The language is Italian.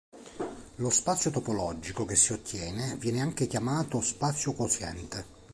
Lo spazio topologico che si ottiene viene anche chiamato spazio quoziente.